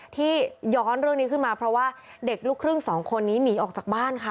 ที่ย้อนเรื่องนี้ขึ้นมาเพราะว่าเด็กลูกครึ่งสองคนนี้หนีออกจากบ้านค่ะ